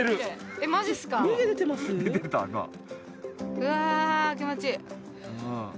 うわ気持ちいい。